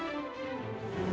aku gak akan cerita ke andi kok